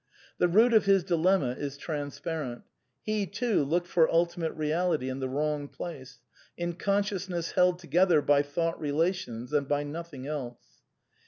The root of his dilemma is transparent. He, too,\ looked for ultimate reality in the wrong place, in conscious 1 ness held together by thought relations and by nothing! else.